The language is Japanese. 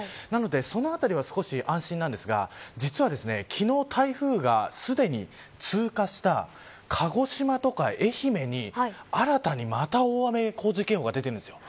そのあたりは少し安心なんですが実は昨日、台風がすでに通過した、鹿児島とか愛媛に、新たにまた大雨洪水警報が出ているんですよ。